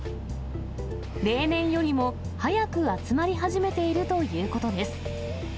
例年よりも早く集まり始めているということです。